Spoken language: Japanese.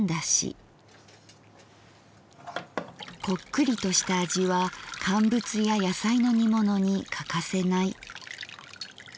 「こっくりとした味は乾物や野菜の煮物に欠かせない」。